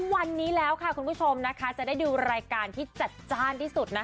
วันนี้แล้วค่ะคุณผู้ชมนะคะจะได้ดูรายการที่จัดจ้านที่สุดนะคะ